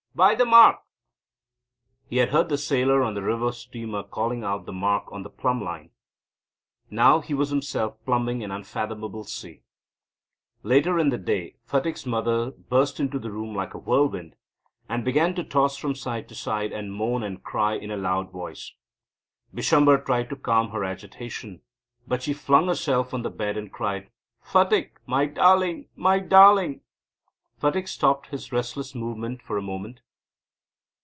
By the mark ." He had heard the sailor on the river steamer calling out the mark on the plumb line. Now he was himself plumbing an unfathomable sea. Later in the day Phatik's mother burst into the room like a whirlwind, and began to toss from side to side and moan and cry in a loud voice. Bishamber tried to calm her agitation, but she flung herself on the bed, and cried: "Phatik, my darling, my darling." Phatik stopped his restless movements for a moment.